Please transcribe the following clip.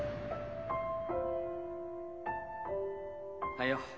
はいよ